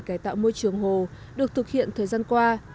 cải tạo môi trường hồ được thực hiện thời gian qua